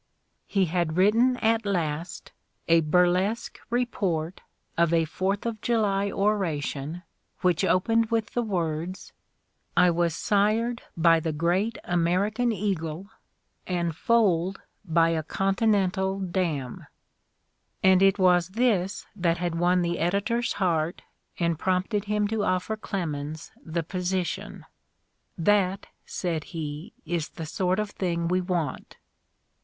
He had written at last a burlesque report of a Fourth of July oration which opened with the words, "I was sired by the Great American Eagle and foaled by a continental dam, '' and it was this that had won the editor's heart and prompted him to offer Clemens the position. "That," said he, "is the sort of thing we want.